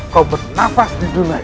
kau bernafas di dunia